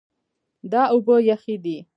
دا اوبه یخې دي.